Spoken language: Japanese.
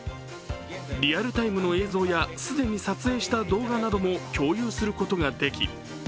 リアルタイムの映像や既に撮影した動画なども共有することができ